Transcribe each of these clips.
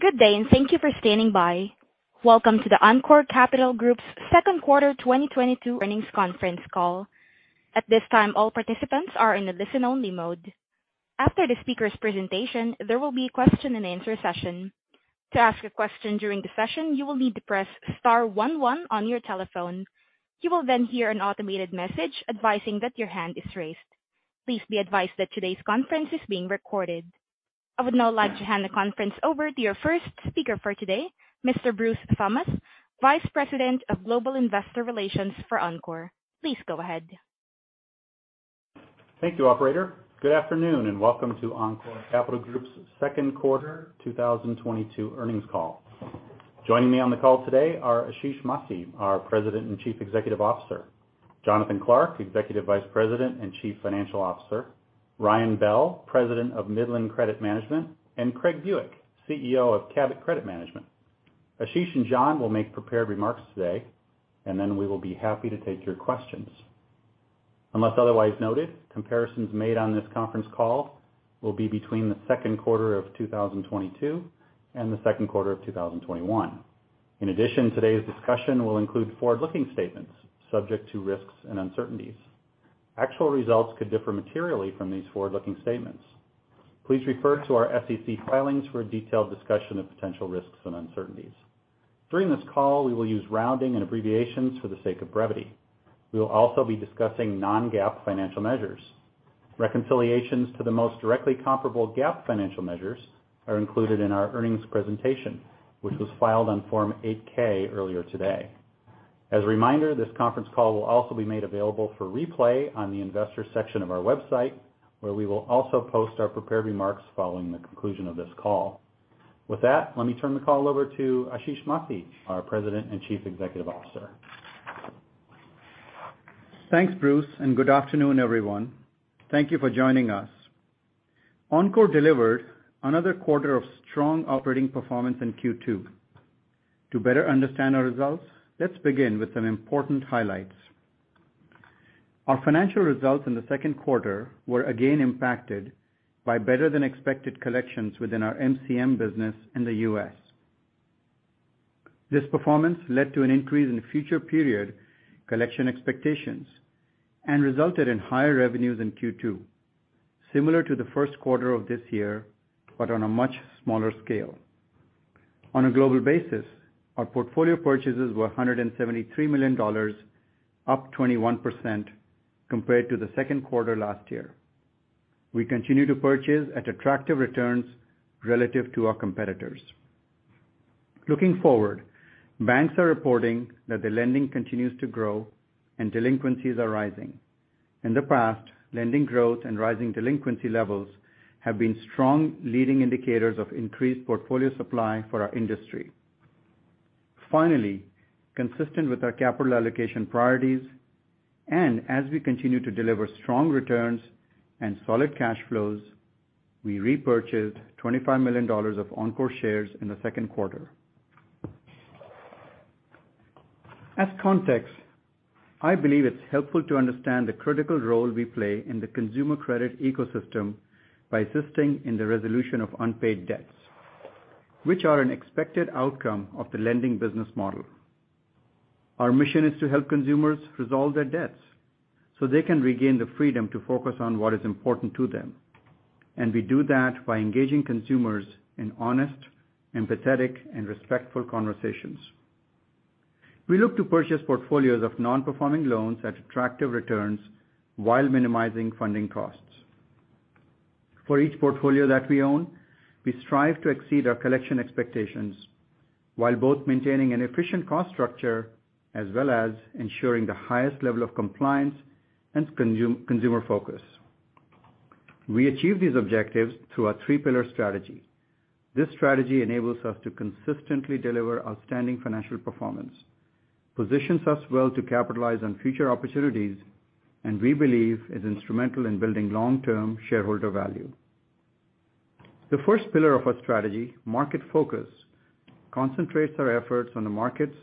Good day, and thank you for standing by. Welcome to the Encore Capital Group's second quarter 2022 earnings conference call. At this time, all participants are in a listen-only mode. After the speaker's presentation, there will be a question-and-answer session. To ask a question during the session, you will need to press star one one on your telephone. You will then hear an automated message advising that your hand is raised. Please be advised that today's conference is being recorded. I would now like to hand the conference over to your first speaker for today, Mr. Bruce Thomas, Vice President of Global Investor Relations for Encore. Please go ahead. Thank you, operator. Good afternoon, and welcome to Encore Capital Group's second quarter 2022 earnings call. Joining me on the call today are Ashish Masih, our President and Chief Executive Officer; Jonathan Clark, Executive Vice President and Chief Financial Officer; Ryan Bell, President of Midland Credit Management; and Craig Buick, CEO of Cabot Credit Management. Ashish and John will make prepared remarks today, and then we will be happy to take your questions. Unless otherwise noted, comparisons made on this conference call will be between the second quarter of 2022 and the second quarter of 2021. In addition, today's discussion will include forward-looking statements subject to risks and uncertainties. Actual results could differ materially from these forward-looking statements. Please refer to our SEC filings for a detailed discussion of potential risks and uncertainties. During this call, we will use rounding and abbreviations for the sake of brevity. We will also be discussing non-GAAP financial measures. Reconciliations to the most directly comparable GAAP financial measures are included in our earnings presentation, which was filed on Form 8-K earlier today. As a reminder, this conference call will also be made available for replay on the investors section of our website, where we will also post our prepared remarks following the conclusion of this call. With that, let me turn the call over to Ashish Masih, our President and Chief Executive Officer. Thanks, Bruce, and good afternoon, everyone. Thank you for joining us. Encore delivered another quarter of strong operating performance in Q2. To better understand our results, let's begin with some important highlights. Our financial results in the second quarter were again impacted by better-than-expected collections within our MCM business in the U.S. This performance led to an increase in future period collection expectations and resulted in higher revenues in Q2, similar to the first quarter of this year, but on a much smaller scale. On a global basis, our portfolio purchases were $173 million, up 21% compared to the second quarter last year. We continue to purchase at attractive returns relative to our competitors. Looking forward, banks are reporting that the lending continues to grow and delinquencies are rising. In the past, lending growth and rising delinquency levels have been strong leading indicators of increased portfolio supply for our industry. Finally, consistent with our capital allocation priorities, and as we continue to deliver strong returns and solid cash flows, we repurchased $25 million of Encore shares in the second quarter. As context, I believe it's helpful to understand the critical role we play in the consumer credit ecosystem by assisting in the resolution of unpaid debts, which are an expected outcome of the lending business model. Our mission is to help consumers resolve their debts so they can regain the freedom to focus on what is important to them, and we do that by engaging consumers in honest, empathetic, and respectful conversations. We look to purchase portfolios of non-performing loans at attractive returns while minimizing funding costs. For each portfolio that we own, we strive to exceed our collection expectations while both maintaining an efficient cost structure as well as ensuring the highest level of compliance and consumer focus. We achieve these objectives through our three-pillar strategy. This strategy enables us to consistently deliver outstanding financial performance, positions us well to capitalize on future opportunities and we believe is instrumental in building long-term shareholder value. The first pillar of our strategy, market focus, concentrates our efforts on the markets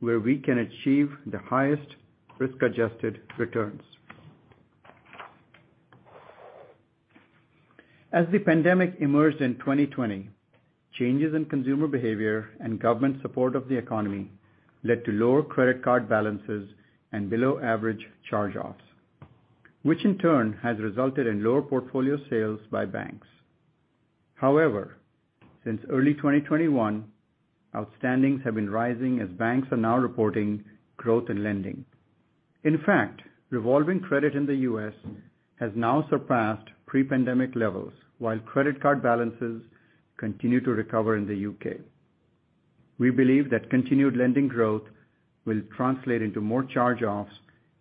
where we can achieve the highest risk-adjusted returns. As the pandemic emerged in 2020, changes in consumer behavior and government support of the economy led to lower credit card balances and below average charge-offs, which in turn has resulted in lower portfolio sales by banks. However, since early 2021, outstandings have been rising as banks are now reporting growth in lending. In fact, revolving credit in the U.S. has now surpassed pre-pandemic levels while credit card balances continue to recover in the U.K. We believe that continued lending growth will translate into more charge-offs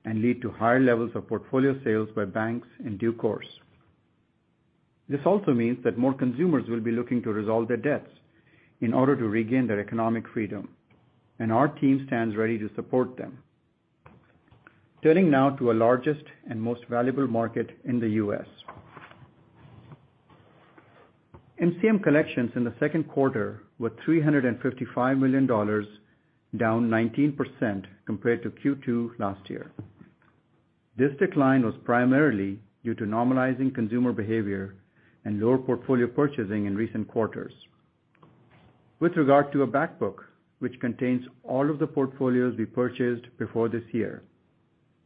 and lead to higher levels of portfolio sales by banks in due course. This also means that more consumers will be looking to resolve their debts in order to regain their economic freedom, and our team stands ready to support them. Turning now to our largest and most valuable market in the U.S. MCM collections in the second quarter were $355 million, down 19% compared to Q2 last year. This decline was primarily due to normalizing consumer behavior and lower portfolio purchasing in recent quarters. With regard to a back book which contains all of the portfolios we purchased before this year,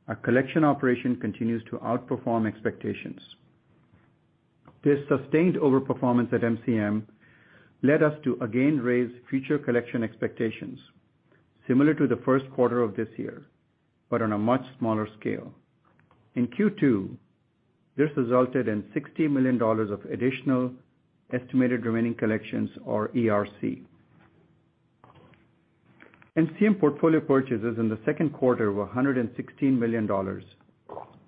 our collection operation continues to outperform expectations. This sustained over-performance at MCM led us to again raise future collection expectations similar to the first quarter of this year, but on a much smaller scale. In Q2, this resulted in $60 million of additional estimated remaining collections or ERC. MCM portfolio purchases in the second quarter were $116 million,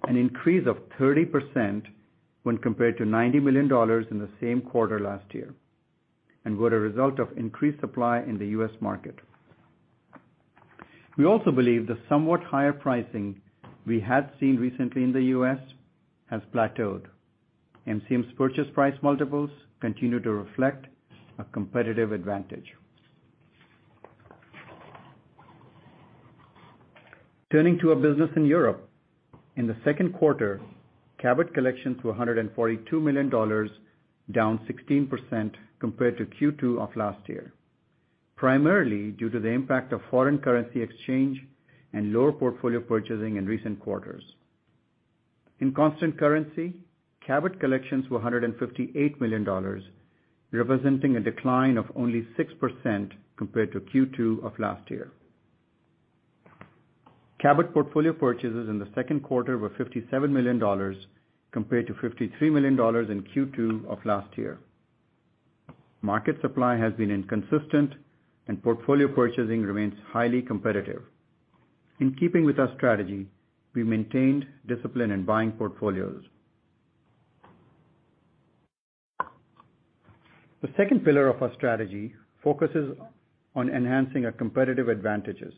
an increase of 30% when compared to $90 million in the same quarter last year, and were a result of increased supply in the U.S. market. We also believe the somewhat higher pricing we had seen recently in the U.S. has plateaued. MCM's purchase price multiples continue to reflect a competitive advantage. Turning to our business in Europe. In the second quarter, Cabot collections were $142 million, down 16% compared to Q2 of last year, primarily due to the impact of foreign currency exchange and lower portfolio purchasing in recent quarters. In constant currency, Cabot collections were $158 million, representing a decline of only 6% compared to Q2 of last year. Cabot portfolio purchases in the second quarter were $57 million compared to $53 million in Q2 of last year. Market supply has been inconsistent and portfolio purchasing remains highly competitive. In keeping with our strategy, we maintained discipline in buying portfolios. The second pillar of our strategy focuses on enhancing our competitive advantages.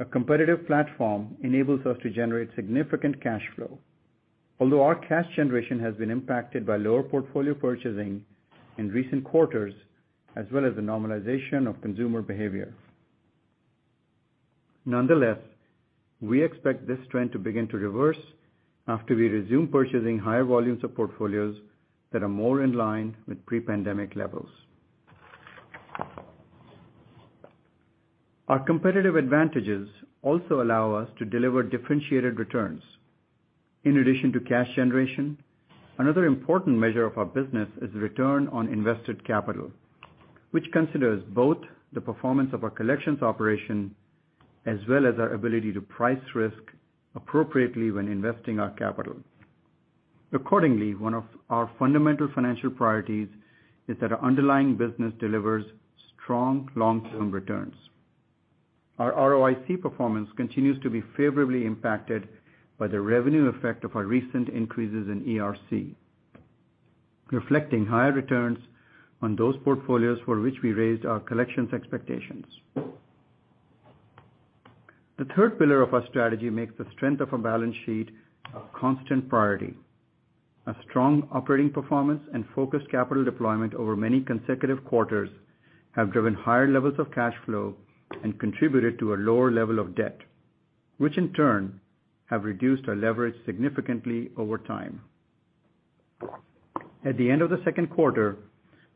A competitive platform enables us to generate significant cash flow. Although our cash generation has been impacted by lower portfolio purchasing in recent quarters, as well as the normalization of consumer behavior. Nonetheless, we expect this trend to begin to reverse after we resume purchasing higher volumes of portfolios that are more in line with pre-pandemic levels. Our competitive advantages also allow us to deliver differentiated returns. In addition to cash generation, another important measure of our business is return on invested capital, which considers both the performance of our collections operation as well as our ability to price risk appropriately when investing our capital. Accordingly, one of our fundamental financial priorities is that our underlying business delivers strong long-term returns. Our ROIC performance continues to be favorably impacted by the revenue effect of our recent increases in ERC, reflecting higher returns on those portfolios for which we raised our collections expectations. The third pillar of our strategy makes the strength of our balance sheet a constant priority. A strong operating performance and focused capital deployment over many consecutive quarters have driven higher levels of cash flow and contributed to a lower level of debt, which in turn have reduced our leverage significantly over time. At the end of the second quarter,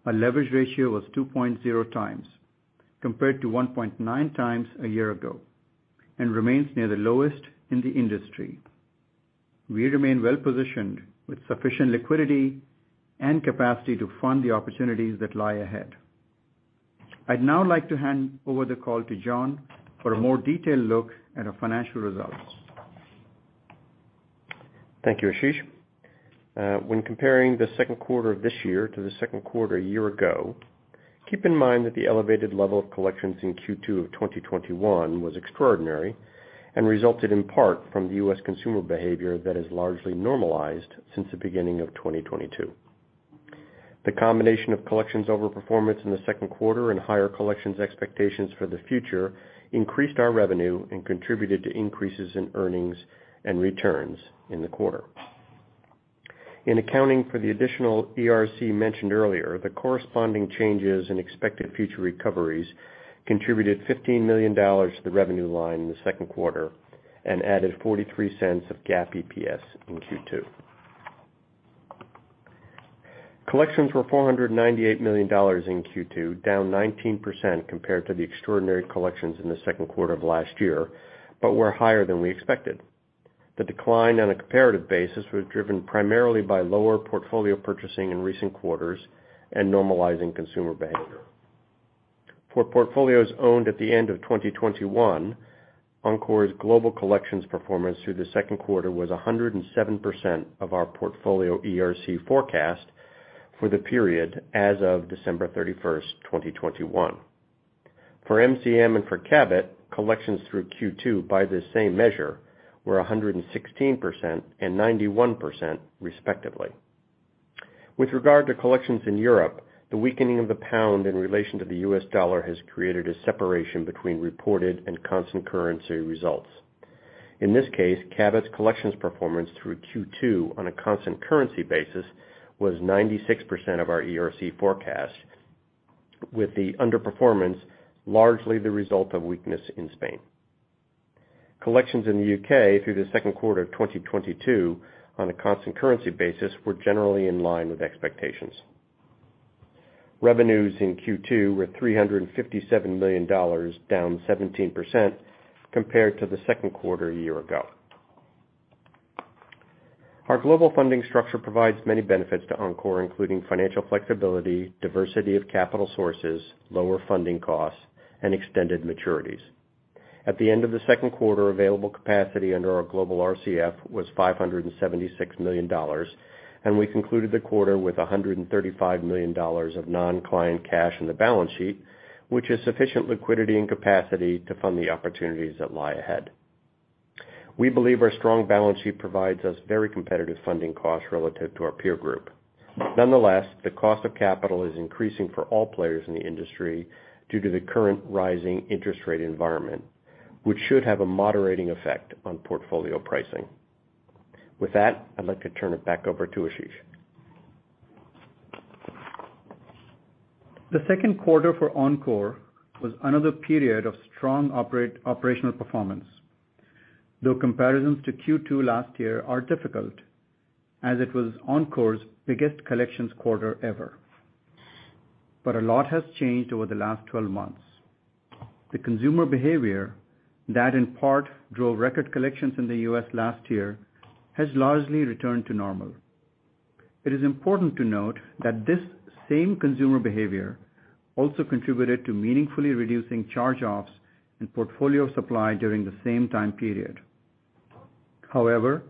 our leverage ratio was 2.0 times compared to 1.9 times a year ago, and remains near the lowest in the industry. We remain well-positioned with sufficient liquidity and capacity to fund the opportunities that lie ahead. I'd now like to hand over the call to John for a more detailed look at our financial results. Thank you, Ashish. When comparing the second quarter of this year to the second quarter a year ago, keep in mind that the elevated level of collections in Q2 of 2021 was extraordinary and resulted in part from the U.S. consumer behavior that is largely normalized since the beginning of 2022. The combination of collections overperformance in the second quarter and higher collections expectations for the future increased our revenue and contributed to increases in earnings and returns in the quarter. In accounting for the additional ERC mentioned earlier, the corresponding changes in expected future recoveries contributed $15 million to the revenue line in the second quarter and added $0.43 of GAAP EPS in Q2. Collections were $498 million in Q2, down 19% compared to the extraordinary collections in the second quarter of last year, but were higher than we expected. The decline on a comparative basis was driven primarily by lower portfolio purchasing in recent quarters and normalizing consumer behavior. For portfolios owned at the end of 2021, Encore's global collections performance through the second quarter was 107% of our portfolio ERC forecast for the period as of December 31, 2021. For MCM and for Cabot, collections through Q2 by this same measure were 116% and 91% respectively. With regard to collections in Europe, the weakening of the pound in relation to the U.S. dollar has created a separation between reported and constant currency results. In this case, Cabot's collections performance through Q2 on a constant currency basis was 96% of our ERC forecast. With the underperformance largely the result of weakness in Spain. Collections in the U.K through the second quarter of 2022 on a constant currency basis were generally in line with expectations. Revenues in Q2 were $357 million, down 17% compared to the second quarter a year ago. Our global funding structure provides many benefits to Encore, including financial flexibility, diversity of capital sources, lower funding costs, and extended maturities. At the end of the second quarter, available capacity under our global RCF was $576 million, and we concluded the quarter with $135 million of non-client cash in the balance sheet, which is sufficient liquidity and capacity to fund the opportunities that lie ahead. We believe our strong balance sheet provides us very competitive funding costs relative to our peer group. Nonetheless, the cost of capital is increasing for all players in the industry due to the current rising interest rate environment, which should have a moderating effect on portfolio pricing. With that, I'd like to turn it back over to Ashish. The second quarter for Encore was another period of strong operational performance. Though comparisons to Q2 last year are difficult as it was Encore's biggest collections quarter ever. A lot has changed over the last 12 months. The consumer behavior that in part drove record collections in the U.S. last year has largely returned to normal. It is important to note that this same consumer behavior also contributed to meaningfully reducing charge-offs and portfolio supply during the same time period. However,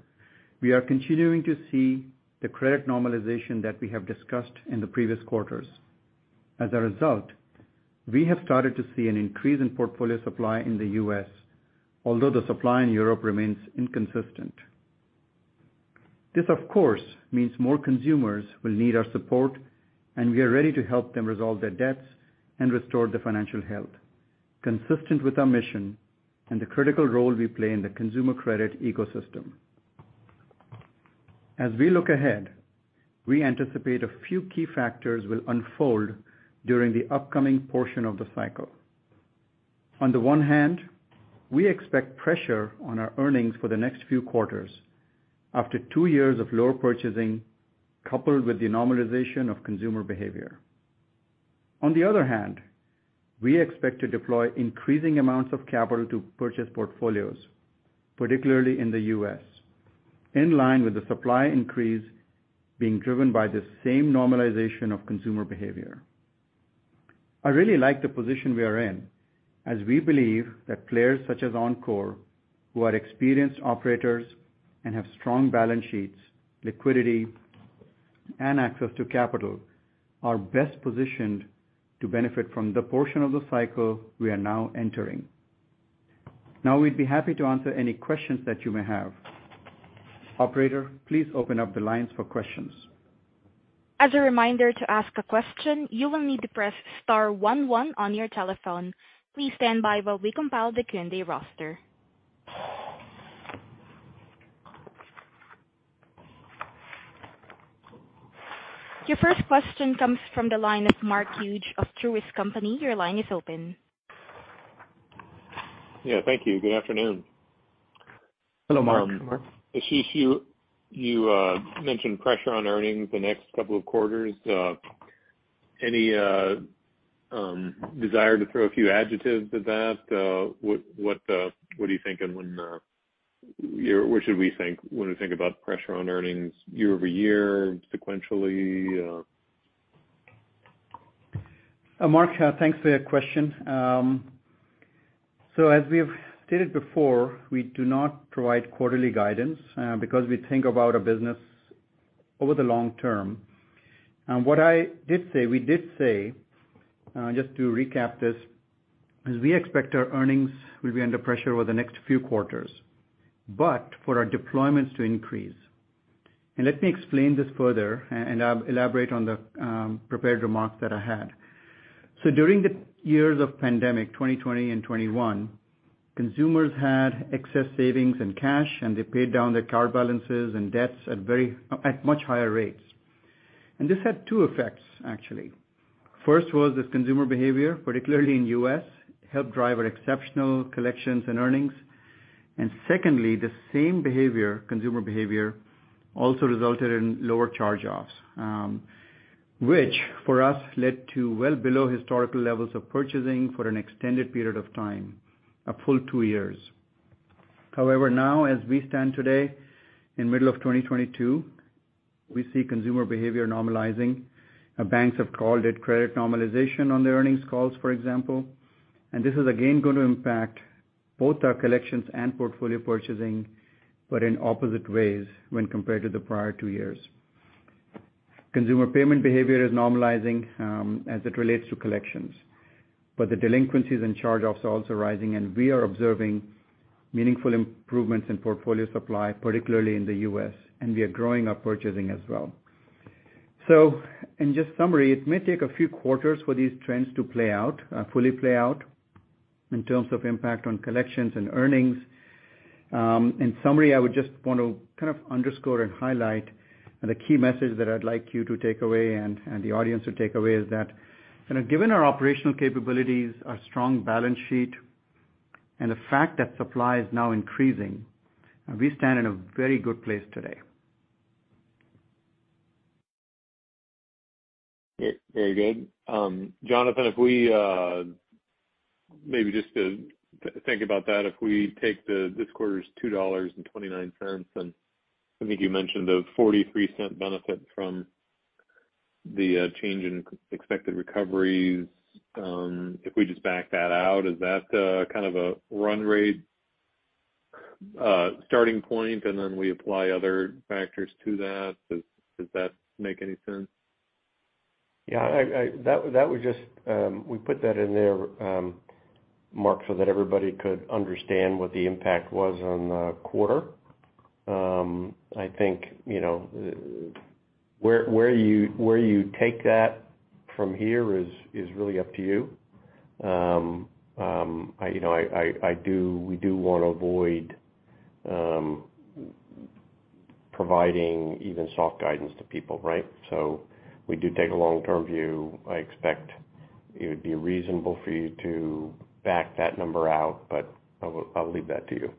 we are continuing to see the credit normalization that we have discussed in the previous quarters. As a result, we have started to see an increase in portfolio supply in the U.S. although the supply in Europe remains inconsistent. This of course means more consumers will need our support, and we are ready to help them resolve their debts and restore their financial health consistent with our mission and the critical role we play in the consumer credit ecosystem. As we look ahead, we anticipate a few key factors will unfold during the upcoming portion of the cycle. On the one hand, we expect pressure on our earnings for the next few quarters after two years of lower purchasing coupled with the normalization of consumer behavior. On the other hand, we expect to deploy increasing amounts of capital to purchase portfolios, particularly in the U.S., in line with the supply increase being driven by the same normalization of consumer behavior. I really like the position we are in as we believe that players such as Encore who are experienced operators and have strong balance sheets, liquidity, and access to capital are best positioned to benefit from the portion of the cycle we are now entering. Now we'd be happy to answer any questions that you may have. Operator, please open up the lines for questions. As a reminder, to ask a question, you will need to press star one one on your telephone. Please stand by while we compile the Q&A roster. Your first question comes from the line of Mark Hughes of Truist Securities. Your line is open. Yeah, thank you. Good afternoon. Hello, Mark. Ashish, you mentioned pressure on earnings the next couple of quarters. Any desire to throw a few adjectives at that? What are you thinking when or what should we think when we think about pressure on earnings year-over-year, sequentially? Mark, thanks for your question. As we have stated before, we do not provide quarterly guidance because we think about our business over the long term. What we said, just to recap this, is we expect our earnings will be under pressure over the next few quarters but for our deployments to increase. Let me explain this further and elaborate on the prepared remarks that I had. During the years of pandemic, 2020 and 2021, consumers had excess savings and cash, and they paid down their card balances and debts at much higher rates. This had two effects actually. First was this consumer behavior, particularly in U.S., helped drive our exceptional collections and earnings. Secondly, the same behavior, consumer behavior, also resulted in lower charge-offs, which for us led to well below historical levels of purchasing for an extended period of time, a full two years. However, now as we stand today in middle of 2022, we see consumer behavior normalizing. Our banks have called it credit normalization on their earnings calls, for example. This is again gonna impact both our collections and portfolio purchasing but in opposite ways when compared to the prior two years. Consumer payment behavior is normalizing, as it relates to collections, but the delinquencies and charge-offs are also rising and we are observing meaningful improvements in portfolio supply, particularly in the U.S., and we are growing our purchasing as well. In just summary, it may take a few quarters for these trends to play out fully in terms of impact on collections and earnings. In summary, I would just want to kind of underscore and highlight the key message that I'd like you to take away and the audience to take away is that, you know, given our operational capabilities, our strong balance sheet, and the fact that supply is now increasing, we stand in a very good place today. Very good. Jonathan, if we maybe just to think about that, if we take this quarter's $2.29, and I think you mentioned the $0.43 benefit from the change in expected recoveries. If we just back that out, is that kind of a run rate starting point, and then we apply other factors to that? Does that make any sense? Yeah. That was just we put that in there, Mark, so that everybody could understand what the impact was on the quarter. I think, you know, where you take that from here is really up to you. You know, we do wanna avoid providing even soft guidance to people, right? We do take a long-term view. I expect it would be reasonable for you to back that number out, but I'll leave that to you.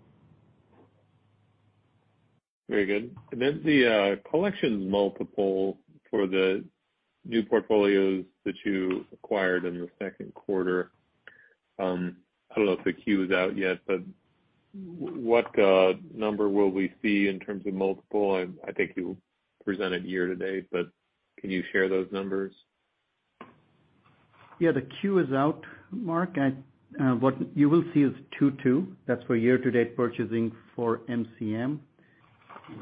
Very good. The collections multiple for the new portfolios that you acquired in the second quarter, I don't know if the Q is out yet, but what number will we see in terms of multiple? I think you presented year-to-date, but can you share those numbers? Yeah, the Q is out, Mark. What you will see is 2.2. That's for year-to-date purchasing for MCM.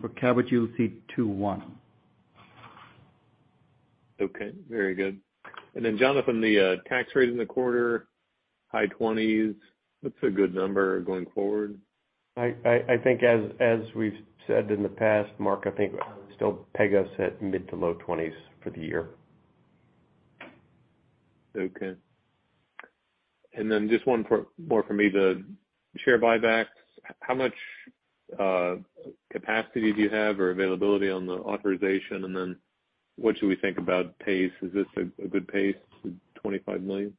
For Cabot, you'll see 2.1. Okay, very good. Jonathan, the tax rate in the quarter, high 20s%, that's a good number going forward. I think as we've said in the past, Mark, I think I would still peg us at mid- to low 20s for the year. Okay. Just one more from me. The share buybacks, how much capacity do you have or availability on the authorization? What should we think about pace? Is this a good pace, $25 million?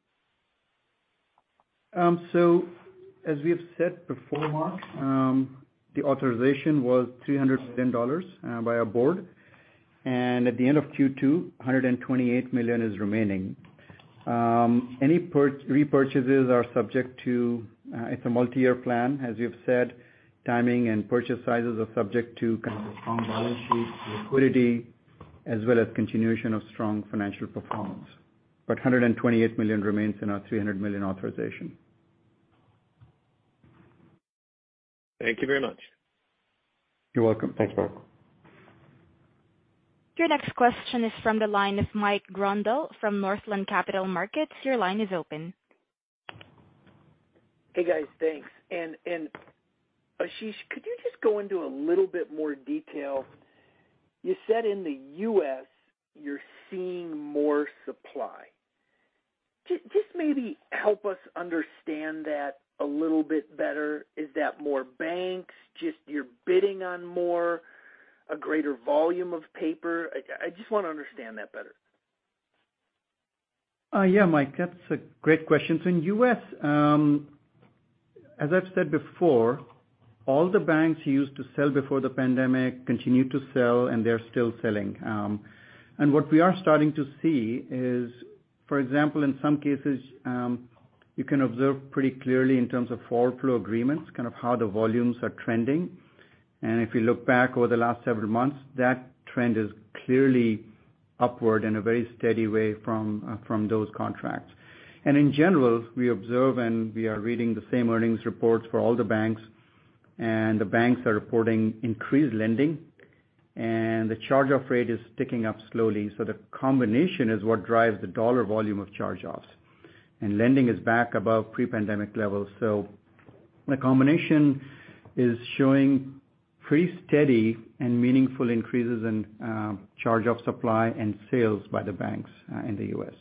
As we have said before, Mark, the authorization was $300 million by our board. At the end of Q2, $128 million is remaining. Any repurchases are subject to, it's a multi-year plan, as you've said. Timing and purchase sizes are subject to kind of a strong balance sheet liquidity as well as continuation of strong financial performance. $128 million remains in our $300 million authorization. Thank you very much. You're welcome. Thanks, Mark. Your next question is from the line of Mike Grondahl from Northland Capital Markets. Your line is open. Hey, guys. Thanks. Ashish, could you just go into a little bit more detail? You said in the U.S. you're seeing more supply. Just maybe help us understand that a little bit better. Is that more banks? Just you're bidding on more? A greater volume of paper? I just wanna understand that better. Yeah, Mike. That's a great question. In U.S., as I've said before, all the banks who used to sell before the pandemic continue to sell, and they're still selling. What we are starting to see is, for example, in some cases, you can observe pretty clearly in terms of forward flow agreements, kind of how the volumes are trending. If you look back over the last several months, that trend is clearly upward in a very steady way from those contracts. In general, we observe and we are reading the same earnings reports for all the banks, and the banks are reporting increased lending, and the charge-off rate is ticking up slowly. The combination is what drives the dollar volume of charge-offs. Lending is back above pre-pandemic levels. The combination is showing pretty steady and meaningful increases in charge-off supply and sales by the banks in the U.S.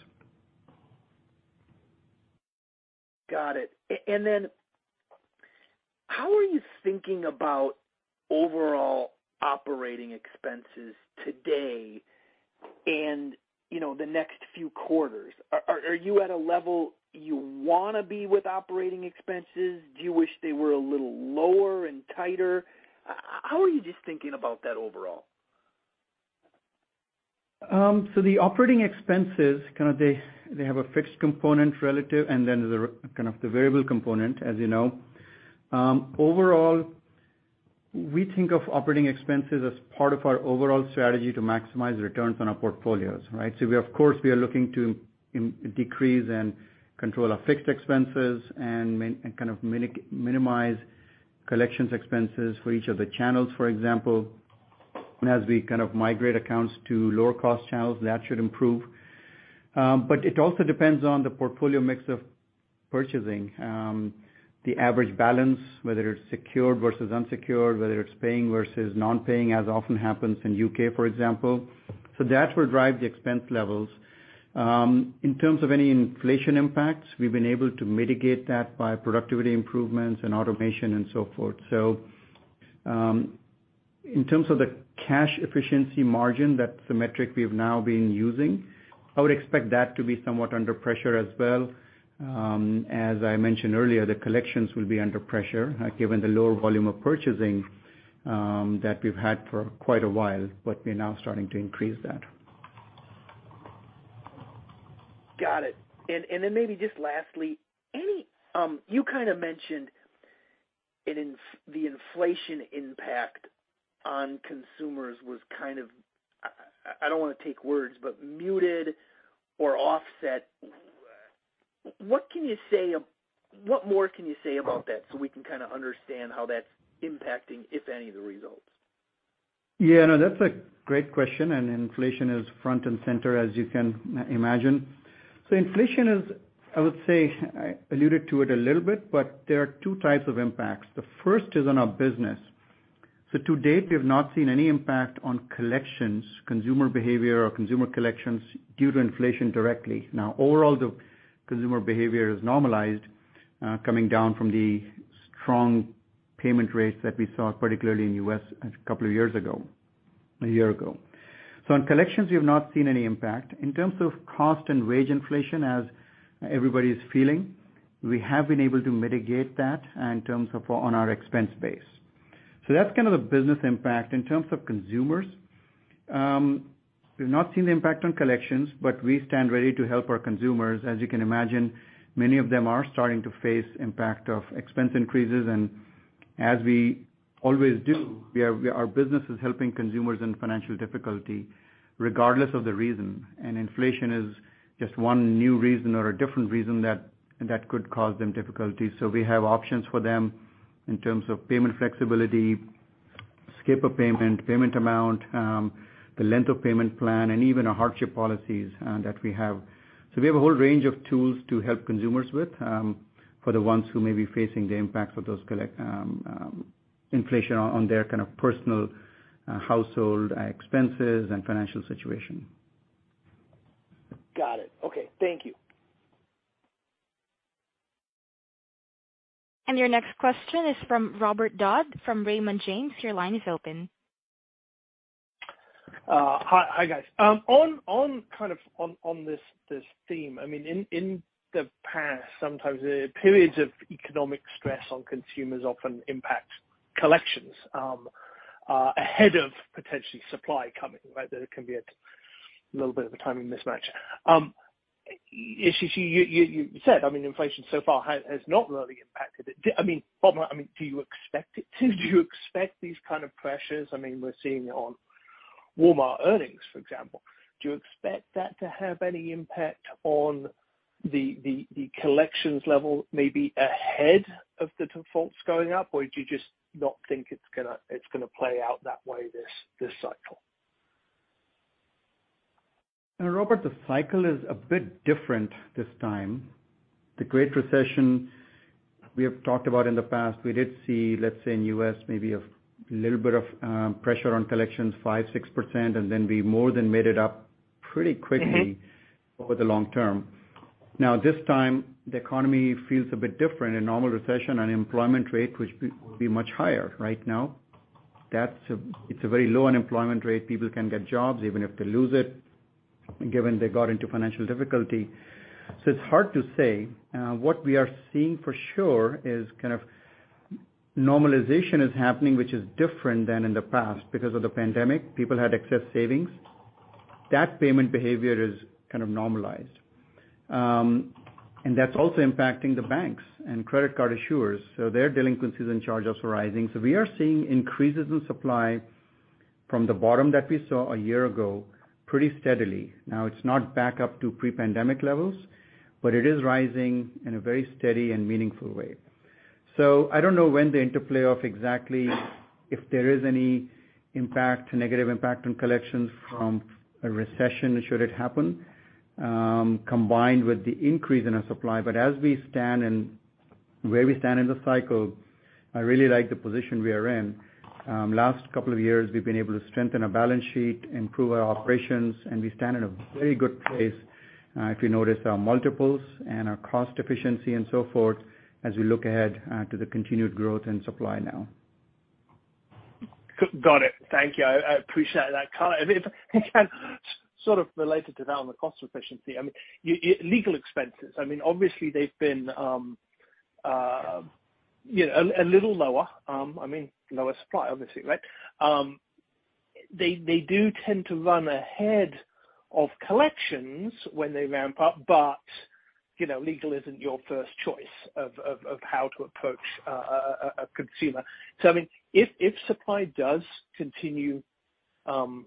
Got it. How are you thinking about overall operating expenses today and, you know, the next few quarters? Are you at a level you wanna be with operating expenses? Do you wish they were a little lower and tighter? How are you just thinking about that overall? The operating expenses kind of they have a fixed component relative and then the kind of the variable component, as you know. Overall, we think of operating expenses as part of our overall strategy to maximize returns on our portfolios, right? We are, of course, looking to decrease and control our fixed expenses and minimize collections expenses for each of the channels, for example. As we kind of migrate accounts to lower cost channels, that should improve. It also depends on the portfolio mix of purchasing, the average balance, whether it's secured versus unsecured, whether it's paying versus non-paying, as often happens in the U.K., for example. That will drive the expense levels. In terms of any inflation impacts, we've been able to mitigate that by productivity improvements and automation and so forth. In terms of the cash efficiency margin, that's the metric we have now been using. I would expect that to be somewhat under pressure as well. As I mentioned earlier, the collections will be under pressure, given the lower volume of purchasing, that we've had for quite a while, but we're now starting to increase that. Got it. Maybe just lastly, you kind of mentioned the inflation impact on consumers was kind of, I don't wanna take words, but muted or offset. What more can you say about that so we can kind of understand how that's impacting, if any, of the results? Yeah, no, that's a great question, and inflation is front and center as you can imagine. Inflation is, I would say, I alluded to it a little bit, but there are two types of impacts. The first is on our business. To date, we have not seen any impact on collections, consumer behavior or consumer collections due to inflation directly. Now, overall, the consumer behavior is normalized, coming down from the strong payment rates that we saw, particularly in U.S. a couple of years ago, a year ago. In collections, we have not seen any impact. In terms of cost and wage inflation, as everybody is feeling, we have been able to mitigate that in terms of our expense base. That's kind of the business impact. In terms of consumers, we've not seen the impact on collections, but we stand ready to help our consumers. As you can imagine, many of them are starting to face impact of expense increases. As we always do, our business is helping consumers in financial difficulty regardless of the reason. Inflation is just one new reason or a different reason that could cause them difficulty. We have options for them in terms of payment flexibility, skip a payment amount, the length of payment plan and even our hardship policies that we have. We have a whole range of tools to help consumers with, for the ones who may be facing the impacts of those inflation on their kind of personal household expenses and financial situation. Got it. Okay. Thank you. Your next question is from Robert Dodd from Raymond James. Your line is open. Hi, guys. On this theme, I mean, in the past, sometimes the periods of economic stress on consumers often impact collections ahead of potentially supply coming, right? There can be a little bit of a timing mismatch. You said, I mean, inflation so far has not really impacted it. I mean, Bhoma, I mean, do you expect it to? Do you expect these kind of pressures, I mean, we're seeing it on Walmart earnings, for example. Do you expect that to have any impact on the collections level maybe ahead of the defaults going up, or do you just not think it's gonna play out that way this cycle? Now Robert, the cycle is a bit different this time. The Great Recession we have talked about in the past, we did see, let's say in U.S., maybe a little bit of pressure on collections, 5%-6%, and then we more than made it up pretty quickly. Over the long term. Now this time, the economy feels a bit different. In normal recession, unemployment rate would be much higher right now. That's a very low unemployment rate. People can get jobs even if they lose it, given they got into financial difficulty. It's hard to say. What we are seeing for sure is kind of normalization is happening, which is different than in the past. Because of the pandemic, people had excess savings. That payment behavior is kind of normalized. That's also impacting the banks and credit card issuers. Their delinquencies and charges are rising. We are seeing increases in supply from the bottom that we saw a year ago pretty steadily. Now it's not back up to pre-pandemic levels, but it is rising in a very steady and meaningful way. I don't know when the interplay of exactly if there is any impact, negative impact on collections from a recession should it happen, combined with the increase in our supply. As we stand in, where we stand in the cycle, I really like the position we are in. Last couple of years, we've been able to strengthen our balance sheet, improve our operations, and we stand in a very good place, if you notice our multiples and our cash efficiency and so forth as we look ahead, to the continued growth in supply now. Got it. Thank you. I appreciate that. Kind of, if, again, sort of related to that on the cost efficiency, I mean, legal expenses, I mean, obviously they've been, you know, a little lower, I mean, lower supply obviously, right? They do tend to run ahead of collections when they ramp up, but, you know, legal isn't your first choice of how to approach a consumer. I mean, if supply does continue, well,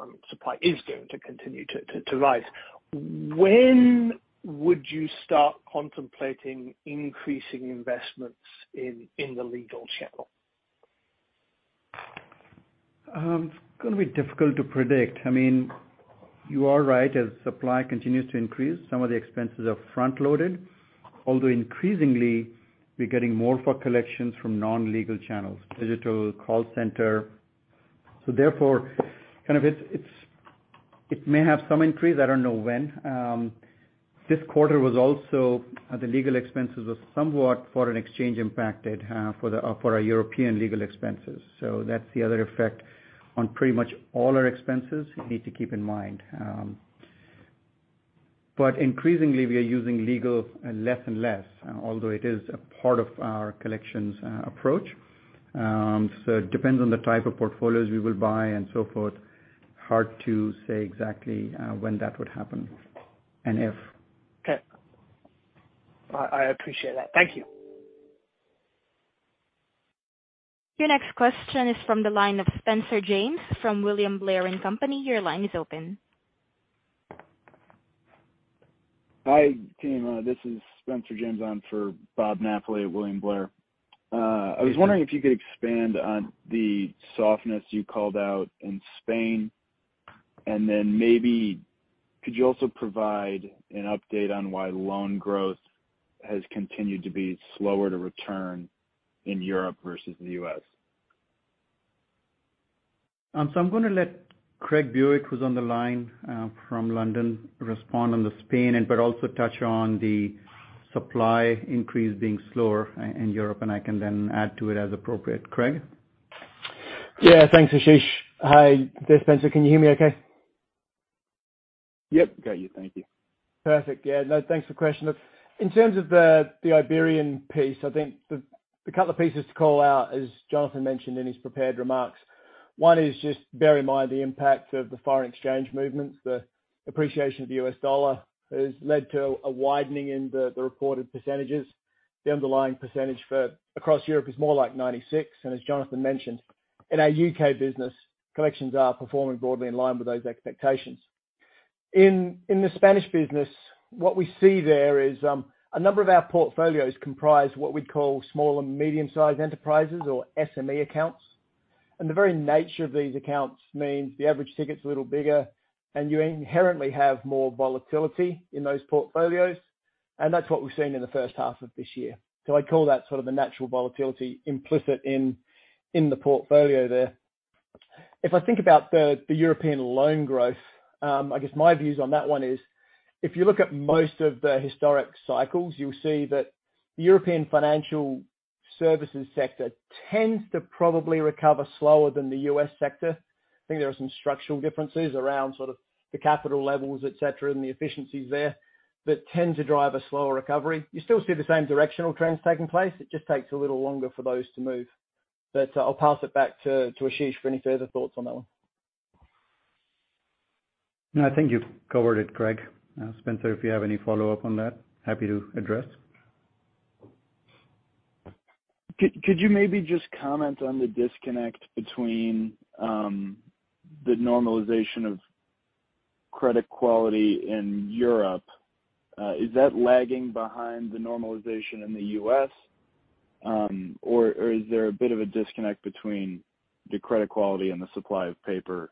I mean, supply is going to continue to rise. When would you start contemplating increasing investments in the legal channel? It's gonna be difficult to predict. I mean, you are right. As supply continues to increase, some of the expenses are front-loaded, although increasingly, we're getting more for collections from non-legal channels, digital, call center. It may have some increase. I don't know when. This quarter was also the legal expenses were somewhat foreign exchange impacted for our European legal expenses. That's the other effect on pretty much all our expenses you need to keep in mind. But increasingly we are using legal less and less, although it is a part of our collections approach. It depends on the type of portfolios we will buy and so forth. Hard to say exactly when that would happen and if. Okay. I appreciate that. Thank you. Your next question is from the line of Spencer James from William Blair & Company. Your line is open. Hi, team. This is Spencer James on for Bob Napoli at William Blair. I was wondering if you could expand on the softness you called out in Spain, and then maybe could you also provide an update on why loan growth has continued to be slower to return in Europe versus the U.S? I'm gonna let Craig Buick, who's on the line from London, respond on the Spain end, but also touch on the supply increase being slower in Europe, and I can then add to it as appropriate. Craig? Yeah. Thanks, Ashish. Hi there, Spencer. Can you hear me okay? Yep. Got you. Thank you. Perfect. Yeah. No, thanks for the question. In terms of the Iberian piece, I think the couple of pieces to call out, as Jonathan mentioned in his prepared remarks, one is just bear in mind the impact of the foreign exchange movements. The appreciation of the U.S. dollar has led to a widening in the reported percentages. The underlying percentage across Europe is more like 96%. As Jonathan mentioned, in our U.K. business, collections are performing broadly in line with those expectations. In the Spanish business, what we see there is a number of our portfolios comprise what we'd call small and medium-sized enterprises or SME accounts. The very nature of these accounts means the average ticket's a little bigger and you inherently have more volatility in those portfolios. That's what we've seen in the H1 of this year. I'd call that sort of a natural volatility implicit in the portfolio there. If I think about the European loan growth, I guess my views on that one is if you look at most of the historic cycles, you'll see that the European financial services sector tends to probably recover slower than the U.S. sector. I think there are some structural differences around sort of the capital levels, et cetera, and the efficiencies there that tend to drive a slower recovery. You still see the same directional trends taking place. It just takes a little longer for those to move. I'll pass it back to Ashish for any further thoughts on that one. No, I think you've covered it, Craig. Spencer, if you have any follow-up on that, happy to address. Could you maybe just comment on the disconnect between the normalization of credit quality in Europe? Is that lagging behind the normalization in the U.S? Or is there a bit of a disconnect between the credit quality and the supply of paper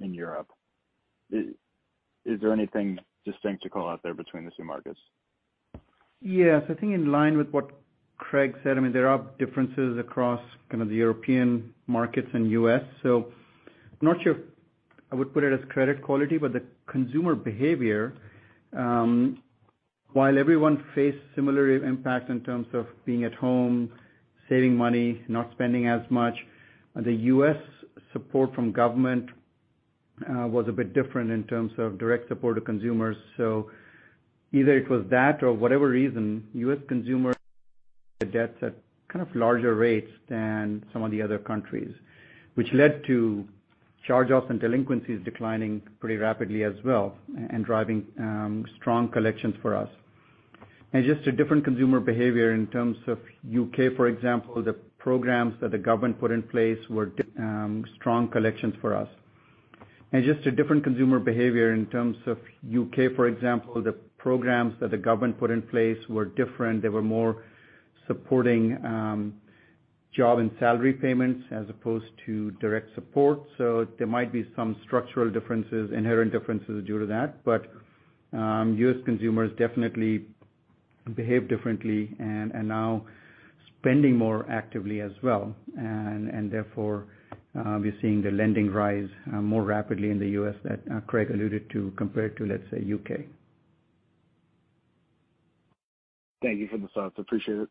in Europe? Is there anything distinct to call out there between the two markets? Yes. I think in line with what Craig said, I mean, there are differences across kind of the European markets and U.S. I'm not sure I would put it as credit quality, but the consumer behavior, while everyone faced similar impacts in terms of being at home, saving money, not spending as much, the U.S. support from government was a bit different in terms of direct support to consumers. Either it was that or whatever reason, U.S. consumer, the debts at kind of larger rates than some of the other countries, which led to charge-offs and delinquencies declining pretty rapidly as well and driving strong collections for us. Just a different consumer behavior in terms of U.K., for example, the programs that the government put in place were strong collections for us. Just a different consumer behavior in terms of U.K., for example, the programs that the government put in place were different. They were more supporting, job and salary payments as opposed to direct support. There might be some structural differences, inherent differences due to that. U.S. consumers definitely behave differently and are now spending more actively as well. Therefore, we're seeing the lending rise more rapidly in the U.S. that Craig alluded to compared to, let's say, U.K. Thank you for the thoughts. I appreciate it.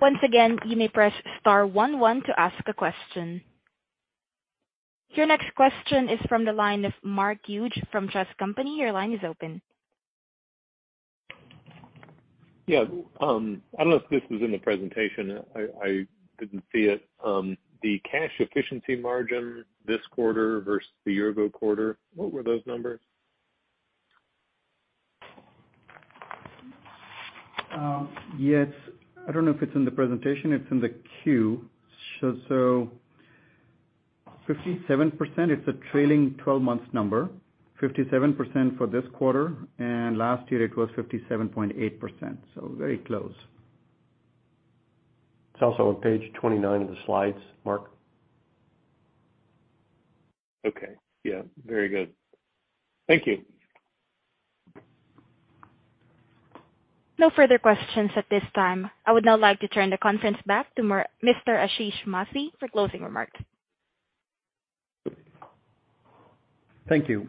Once again, you may press star one one to ask a question. Your next question is from the line of Mark Hughes from Truist Securities. Your line is open. Yeah. I don't know if this was in the presentation. I didn't see it. The cash efficiency margin this quarter versus the year ago quarter, what were those numbers? Yes. I don't know if it's in the presentation. It's in the queue. 57%, it's a trailing 12 months number. 57% for this quarter, and last year it was 57.8%, so very close. It's also on page 29 of the slides, Mark. Okay. Yeah. Very good. Thank you. No further questions at this time. I would now like to turn the conference back to Mr. Ashish Masih for closing remarks. Thank you.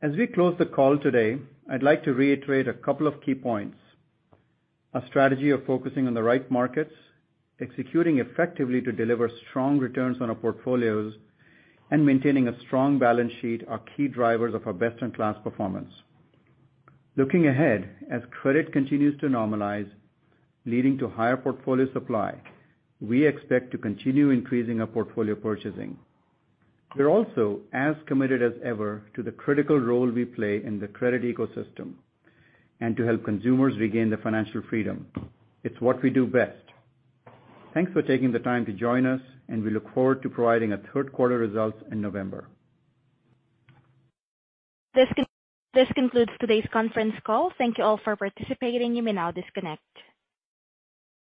As we close the call today, I'd like to reiterate a couple of key points. Our strategy of focusing on the right markets, executing effectively to deliver strong returns on our portfolios, and maintaining a strong balance sheet are key drivers of our best-in-class performance. Looking ahead, as credit continues to normalize, leading to higher portfolio supply, we expect to continue increasing our portfolio purchasing. We're also as committed as ever to the critical role we play in the credit ecosystem and to help consumers regain their financial freedom. It's what we do best. Thanks for taking the time to join us, and we look forward to providing our third quarter results in November. This concludes today's conference call. Thank you all for participating. You may now disconnect.